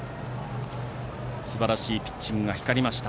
すばらしいピッチングが光りました